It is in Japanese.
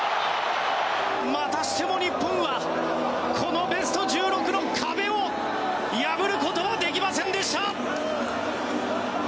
またしても日本はこのベスト１６の壁を破ることはできませんでした。